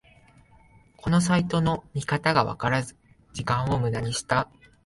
このサイトの見方がわからず時間をムダにした